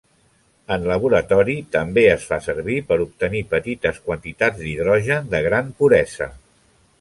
En laboratori també es fa servir per obtenir petites quantitats d'hidrogen de gran puresa.